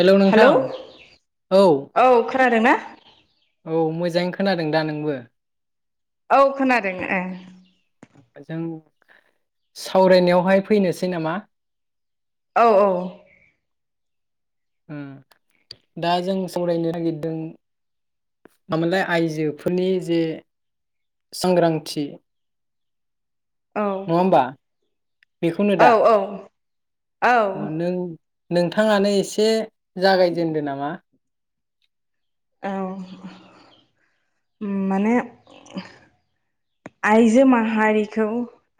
हेल' नोंथां, औ। खोनादों ना? औ मोजाङै खोनादों दा नोंबो? औ खोनादों ए। जों सावरायनायावहाय फैनोसै नामा? औ औ। उम दा जों सावरायनो नागिरदों मामोनलाय आइजोफोरनि जे सांग्रांथि औ नङा ओमबा? औ औ अ नों औ। नोंथाङानो एसे जागायजेनदो नामा? औ उम माने आइजो माहारिखौ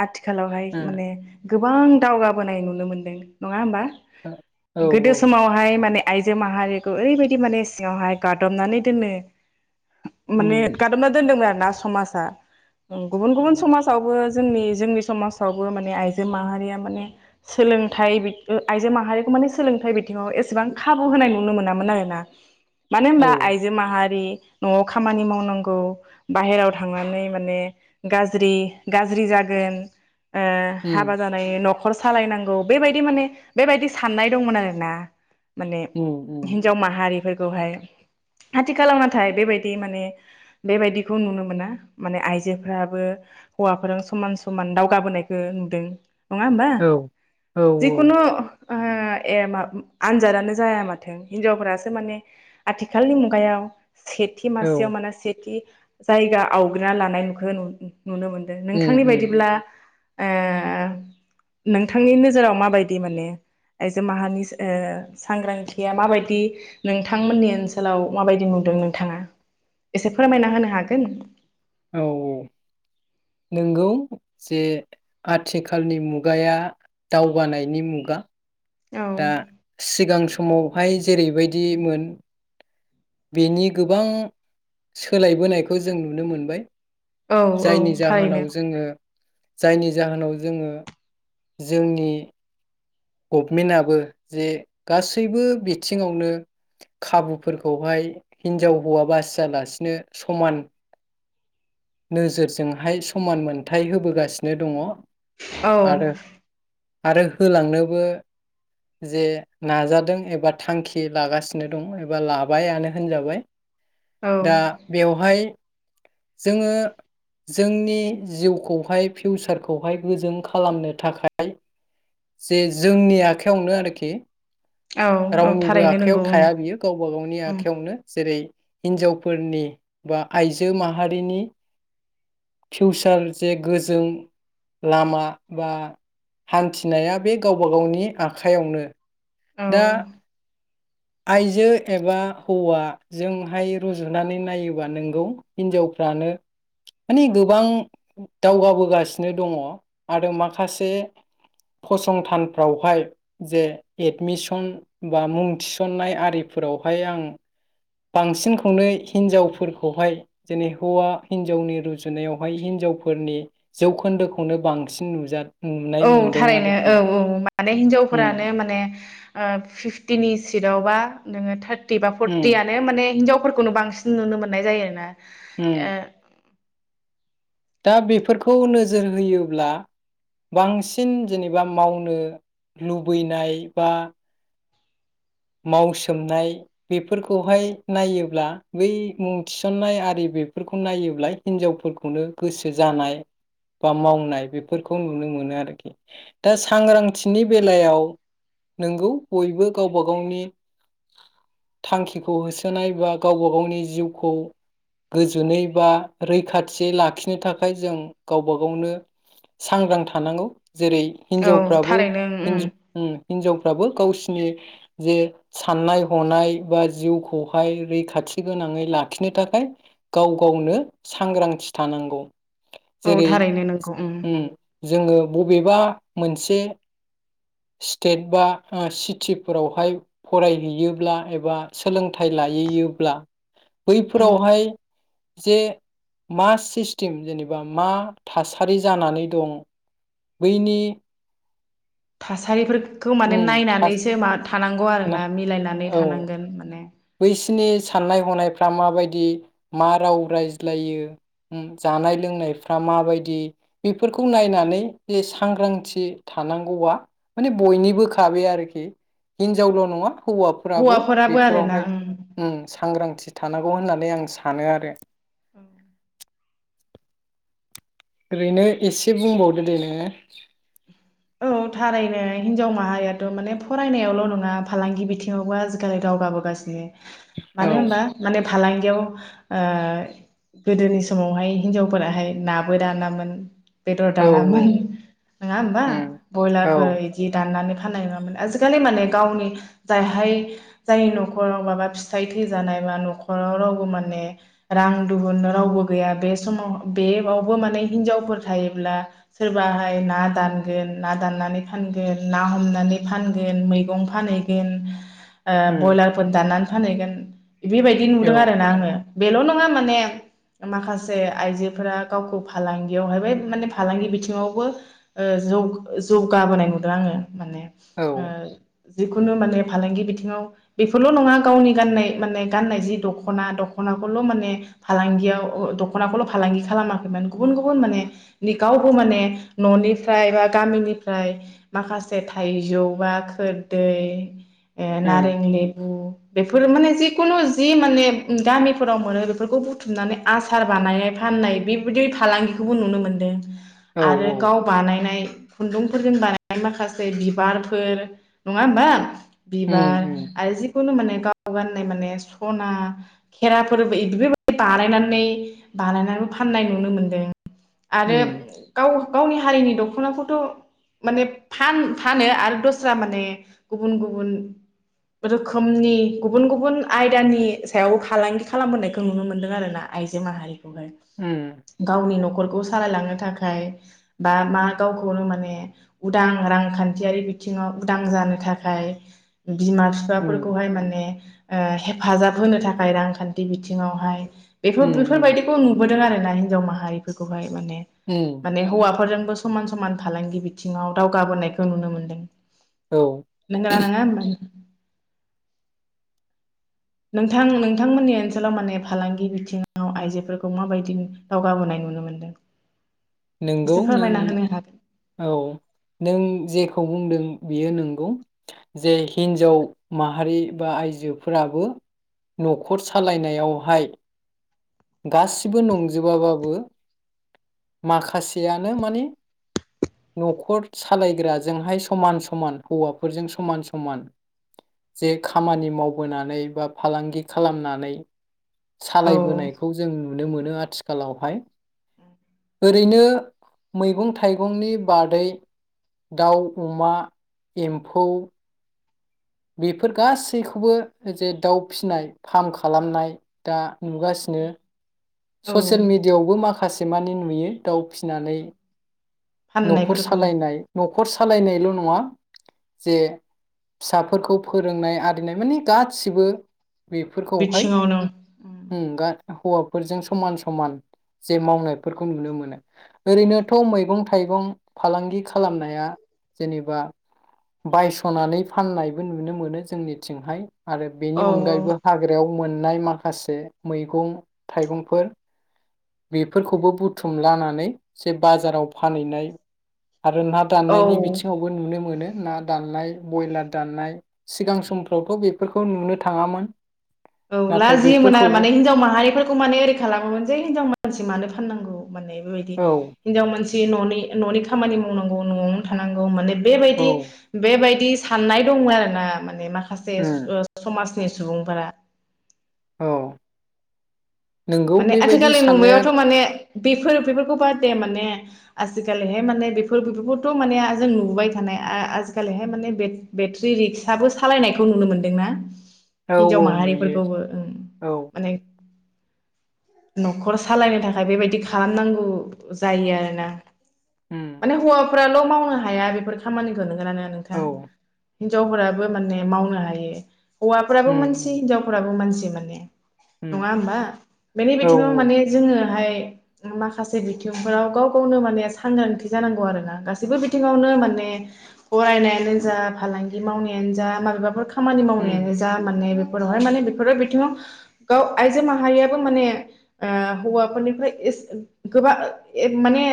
आथि खालावहाय उम माने गोबां दावगाबोनाय नुनो मोन्दों नङा होमबा? औ गोदो औ समावहाय माने आइजो माहारिखौ ओरैबायदि माने सिङावहाय गादबनानै दोनो उम माने गादबना दोनदोंमोन आरो। ना समाजा। गुबुन गुबुन उम समाजावबो जोंनि जोंनि समाजावबो माने आइजो माहारिया माने सोलोंथाइ बि ओ आइजो माहारिखौ माने सोलोंथाइ बिथिङाव एसेबां खाबु होनाय नुनो मोनामोन आरोना। मानो औ होनबा आइजो माहारि न'आव खामानि मावनांगौ बाहेराव थांनानै माने गाज्रि गाज्रि जागोन। ओ उम हाबा जानाय न' न'खर सालायनांगौ बेबायदि माने बेबायदि साननाय दंमोन आरो ना। माने उम उम हिनजाव माहारिफोर खौहाय आथिखालाव नाथाय बेबायदि माने बेबायदिखौ नुनो मोना माने आइजो फोराबो हौवाफोरजों समान समान दावगाबोनायखौ नुदों। नङा होमबा औ औ जिखुनु ए म आनजादानो जाया माथों हिनजावफोरासो माने आथिखालनि मुगायाव सेथि मासेयाव औ माने सेथि जायगा आवग्रिना लानाय नु खौ नु नुनो मोनदों उम नोंथांनि उम बायदिब्ला ए नोंथांनि नोजोराव माबायदि माने आइजो माहारिनि सांग्रांथिया माबायदि नोंथांमोननि ओनसोलाव माबायदि नुदों नोंथाङा एसे फोरमायना होनो हागोन? औ औ नंगौ जे आथिखालनि मुगाया दावगानायनि मुगा औ दा सिगां सम समावहाय जेरैबायदिमोन बेनि गोबां सोलायबोनायखौ जों नुनो मोनबाय। औ औ जायनि जाहोनाव थारैनो जोङो जायनि जाहोनाव जोङो जोंनि गभमेन्टआबो जे गासैबो बिथिङावनो खाबुफोरखौहाय हिनजाव हौवा बासियालासिनो समान नोजोरजोंहाय समान मोनथाय होबोगासिनो दङ। औ आरो आरो होलांनोबो जे नाजादों एबा थांखि लागासिनो दं एबा लाबायानो होनजाबाय औ दा बेवहाय जोङो जोंनि जिउखौहाय फिउसारखौहाय गोजोंन खालामनो थाखाय जे जोंनि आखायावनो आरोखि औ रावनिबो थारैनो आखायाव नंगौ थाया ओं बियो गावबा गावनि आखायावनो जेरै हिनजाव फोरनि बा आइजो माहारिनि फिउसार जे गोजों लामा बा हान्थिनाया बे गावबा गावनि आखाइयावनो दा ओं आइजो एबा हौवाजोंहाय रुजुनानै नायोबा नोंगौ हिनजावफ्रानो माने गोबां दावगाबोगासिनो दङ आरो माखासे फसंथानफ्रावहाय जे एडमिसन बा मुं थिसननाय आरिफोरावहाय आं बांसिनखौनो हिनजावफोरखौहाय जेनै हौवा हिनजावनि रुजुनायावहाय हिनजावफोरनि जौखोन्दोखौनो बांसिन नुजा नुनाय औ मोनदों थारैनो आरोखि औ औ माने उम हिनजावफोरानो माने फिफटिनि सिटआवबा नोङो थार बा उम फरटिआनो माने हिनजाव फोरखौनो बांसिन नुनो मोन्नाय जायोना उम ए दा बेफोरखौ नोजोर होयोब्ला बांसिन जेनेबा मावनो लुबैनाय बा मावसोमनाय बेफोरखौहाय नायोब्ला बै मुं थिसन्नाय आरि बेफोरखौ नायोब्ला हिनजावफोरखौनो गोसो जानाय बा मावनाय बेफोरखौ नुनो मोनो आरोखि दा सांग्रांथिनि बेलायाव नोंगौ बयबो गाव गावबा गावनि थांखिखौ होसोनाय बा गावबा गावनि जिउखौ गोजोनै बा रैखाथियै लाखिनो थाखाय जों गावबा गावनो सांग्रां थानांगौ। जेरै ओ औ हिनजावफ्राबो थारैनो ओम इन्दि ओ हिनजाव, फोराबो गावसोरनि जे साननाय हनाय बा जिउखौहाय रैखाथि गोनाङै लाखिनो थाखाय गाव गावनो सांग्रांथि थानांगौ, औ जेरै थारैनो नंगौ ओम जोङो, बबेबा मोनसे स्टेट बा ओ सिटिफोराव, हाय फरायहैयोब्ला एबा सोलोंथाइ लाहैयोब्ला उम बैफोरावहाय जे मा सिस्टेम जेनेबा मा थासारि जानानै दं बैनि, थासारिफोरखौ माने उम थास नायनानैसो मा, थानांगौ ना आरोना मिलायनानै औ थानांगोन माने बैसिनि साननाय हनाय दा माबायदि मा राव रायज्लायो उम जानाय लोंनायफ्रा माबायदि बेफोरखौ नायनानै जे सांग्रांथि थानांगौआ माने बयनिबो खाबै आरोखि हिनजावल' नङा, हौवाफ्राबो हौवाफोराबो बेब आरोना फोरावहाय उम ओम सांग्रांथि, थानांगौ होननानै आं सानो आरो औ ओरैनो एसे बुंबावदो दे नोङो, औ थारैनो हिनजाव माहारियाथ' माने फरायनायावल' नङा फालांगि बिथिङावबो आजिखालि दावगाबोगासिनो, मानो होनबा माने फालांगि इहाव ओ गोदोनि समावहाय हिनजावफोराहाय नाबो दानामोन, बेदर औ औ दानामोन नङा होमबा, उम औ ब्रयलारफोर इदि दाननानै हानाय नङामोन आजिखालि माने गावनि जायहाय जाय न'खराव माबा फिथाइ थैजानाय बा न'खराव रावबो माने रां दुहुन रावबो गैया बे समाव बेवाबो माने हिनजावफोर थायोब्ला सोरबाहाय ना दानगोन, ना दाननानै फानगोन ना हमनानै फानगोन मैगं फानहैगोन, ओ उम ब्रयलारफोर दान्नानै फानैगोन बेबायदि औ नुदों आरो ना आङो, बेल' नङा माने माखासे आइजोफोरा गावखौ फालांगियावहाय माने फालांगि बिथिङावबो ओ जौ जौगाबोनाय नुदों आङो माने औ ओ जिखुनु माने फालांगि बिथिङाव बेफोरल' नङा गावनि गाननाय माने गाननाय जि दख'ना दख'नाखौल माने फालांगियाव दख'नाखौल फालांगि खालामाखैमोन गुबुन गुबुन माने गावबो माने न'निफ्राय बा गामिनिफ्राय माखासे थाइजौ बा खोरदै, ओ उम नारें लेबु बेफोर माने जिखुनु जि माने गामिफोराव मोनो बेफोरखौ बुथुमनानै आसार बानाय फाननाय बेबायदि फालांगिखौबो नुनो मोनदों, औ आरो गाव बानायनाय खुन्दुंफोरजों बानायनाय माखासे बिबारफोर नङा होनबा उम बिबार उम आरो जि जेखुनु माने गाव गाननाय माने सना, खेराफोर बेफोरबायदि बानायनानै बानायनानैबो फाननाय नुनो मोन्दों। आरो उम गाव गावनि हारिनि दख'नाफोरखौ थ' माने फान-फानो आरो दस्रा माने गुबुन गुबुन रोखोमनि गुबुन गुबुन आयदानि सायाव फालांगि खालामबोनायखौ नुनो मोन्दों आरो ना आइजो माहारि खौहाय उम गावनि न'खर न'खरखौ सालायलांनो थाखाय बा मा गावखौ नो माने उदां रांखान्थियारि बिथिङाव उदां जानो थाखाय उम बिमा-बिफाफोरखौहाय माने ओ हेफाजाब होनो थाखाय रांखान्थि बिथिङावहाय बेफोर उम उम बेफोरबायदिखौ नुबो आरो ना हिनजाव माहारिफोरखौहाय माने उम माने हौवाफोरजों समान समान फालांगि बिथिङाव दावगाबोनायखौ नुनो मोनदों। औ नांगौ ना नङा नोंथां नोंथांमोननि ओनसोलाव माने फालांगि बिथिङाव आइजोफोरखौ माबायदि दावगाबोनाय नुनो मोनदों। नोंगौ एसे फोरमायना होनो हागोन नों औ नों जे खौ बुंदों बियो नंगौ जे हिनजाव माहारि बा आइजोफोराबो न'खर सालायनायावहाय गासिबो नंजोबाबाबो माखासेयानो माने न'खर सालायग्राजोंहाय समान समान हौवाफोरजों समान समान जे खामानि मावबोनानै बा फालांगि खालामनानै औ सालायबोनाय नुनो मोनो आथिखालावहाय ओरैनो मैगं-थाइगंनि बादै दाउ, अमा, एम्फौ बेफोर गासैखौबो जे दाउ फिसिनाय फार्म खालामनाय दा नुगासिनो औ ससियेल मिडियाआवबो माखासे मानि नुयो दाउ फिसिनानै न'खर फाननायफोरखौ सालायनाय न'खर सालायनायल' नङा जे फिसाफोरखौ फोरोंनाय आरिनाय माने गासिबो बेफोरखौहाय बिथिङाव नों उम गा हौवा फोरजों समान समान जे मावनायफोरखौ नुनो मोनो ओरैनोथ' मैगं-थाइगं फालांगि खालामनाया जेनेबा बायस'नानै फाननायबो नुनो मोनो जोंनिथिंहाय आरो बेनि औ अनगायैबो हाग्रायाव मोननाय माखासे मैगं थाइगंफोर बेफोरखौबो बुथुम लानानै जे बाजाराव फानहैनाय आरो ना औ दान्नायनि बिथिङावबो नुनो मोनो। ना दाननाय ब्रयलार दाननाय सिगां समफ्रावथ' बेफोरखौ नुनो थाङामोन औ नाथाय लाजियोमोन आरो बेफोरखौबो माने हिनजाव माहारिफोर खौ माने ओरै खालामोमोन जे हिनजाव मानसि मानो फाननांगौ माने बेबायदि औ हिनजाव मानसि जि न'नि न'नि खामानि मावनांगौ न'आवनो थानांगौ माने‌ औ बेबायदि बेबायदि साननाय दङ आरोना माने माखा खासे उम समाज नि सुबुंफोरा औ नोंगौ माने बेबायदि आथिखालनि साननाया नुुनायावथ' माने बेफोर बेफोरखौ बाददे माने आजिखालिहाय माने बेफोर बेफोरखौथ' माने जों नुुबाय थानाय आजिखालिहाय माने बे बेट्रि रिक्साबो सालायनायखौ नुनो मोनदोंना औ हिनजाव औ नुयो माहारिफोरखौबो ओ औ माने न'खर सालायनो थाखाय बेबायदि खालामनांगौ जायो आरोना उम माने हौवा फोराल' मावनो हाया बेफोर खामानिखौ नों गोना नोङा नोंथां औ उम हिनजावफोराबो माने मावनो हायो। हौवाफोराबो मानसि उम हिनजावफोराबो मानसि माने उम नङा होमबा? बेनि औ बिथिङाव माने जोङोहाय माखासे बिथिंफोराव गाव गावनो माने सांग्रांथि जानांगौ आरोना गाससिबो बिथिङावनो माने फरायनायानो जा फालांगि मावनायानो जा माबाफोर खा खामानि उम मावनायानो जा माने बे माने बेफोर बिथिङाव गाव आइजो माहारिया माने ओ हौवाफोरनिफ्राय एस गोबां माने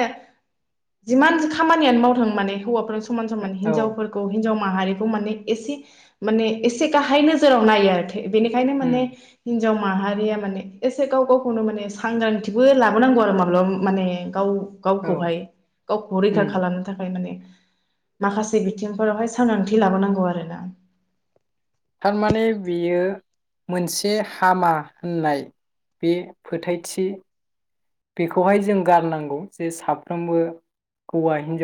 जिमान खामानियानो मावथों माने हौवाफोर समान समान औ हिजावफोरखौ हिनजाव माहारिखौ माने एसे माने एसे गाहाय नोजोराव नायो आरोखि बेनिखायनो माने उम हिन्जाव माहारिया माने एसे गाव गावखौनो माने सांग्रांथिबो लाबोनांगौ आरो माब्लाबा माने गाव औ गावखौहाय गावखौ रैखा उम खालामनो थाखाय माने माखासे बिथिंफोरावहाय सांग्रांथि लाबोनांगौ आरोना थारमाने बेयो मोनसे हामा होननाय बे फोथायथि बेखौहाय जों गारनांगौ जे साफ्रोमबो हौवा हिनजाव